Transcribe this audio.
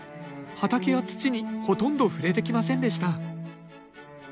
畑や土にほとんど触れてきませんでした。